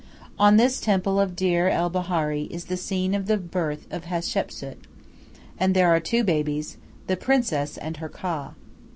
On this temple of Deir el Bahari is the scene of the birth of Hatshepsu, and there are two babies, the princess and her Ka.